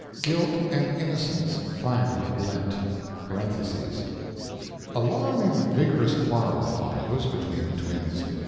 GUILT AND INNOCENCE FINELY BLENT [A long and vigorous quarrel follows, between the twins.